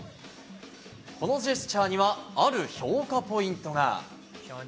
このジェスチャーにはある評価ポイントが。